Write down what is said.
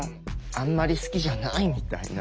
「あんまり好きじゃない」みたいな。